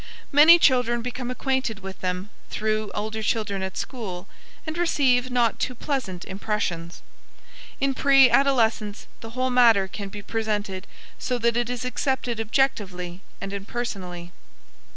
Many children become acquainted with them through older children at school and receive not too pleasant impressions. In pre adolescence the whole matter can be presented so that it is accepted objectively and impersonally.